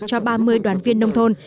cho ba mươi đoàn viên nông thôn